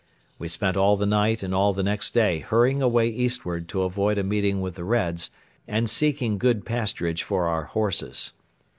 We spent all the night and all the next day hurrying away eastward to avoid a meeting with the Reds and seeking good pasturage for our horses.